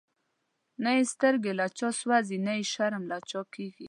نه یی سترگی له چا سوځی، نه یی شرم له چا کیږی